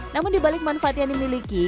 namun dibalik manfaat yang dimiliki